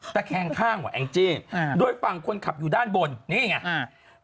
ตะแคงข้างเหรอแอ้งจิโดยฝั่งคนขับอยู่ด้านบนนี่ไง